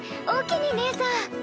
おおきにねえさん！